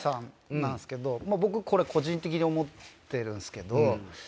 僕これ個人的に思ってるんですけど。